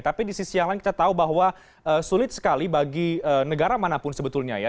tapi di sisi yang lain kita tahu bahwa sulit sekali bagi negara manapun sebetulnya ya